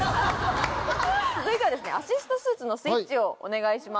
続いてはアシストスーツのスイッチをお願いします。